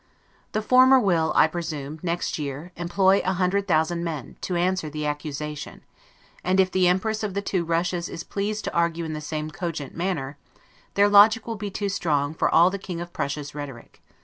The former will, I presume, next year, employ an hundred thousand men, to answer the accusation; and if the Empress of the two Russias is pleased to argue in the same cogent manner, their logic will be too strong for all the King of Prussia's rhetoric.